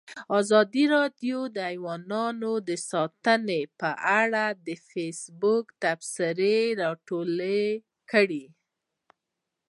ازادي راډیو د حیوان ساتنه په اړه د فیسبوک تبصرې راټولې کړي.